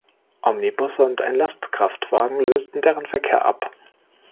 Omnibusse und ein Lastkraftwagen lösten deren Verkehr ab.